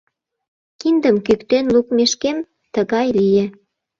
Киндым кӱктен лукмешкем, тыгай лие.